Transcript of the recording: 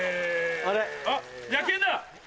あっ野犬だ！